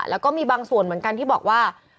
แล้วก็มีบางส่วนเหมือนกันที่บอกว่า